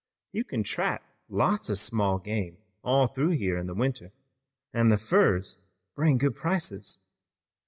You kin trap lots of small game all through here in the winter, an' the furs bring good prices.